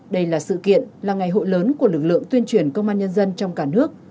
đây là sự kiện là ngày hội lớn của lực lượng tuyên truyền công an nhân dân trong cả nước